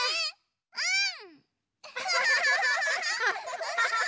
うん！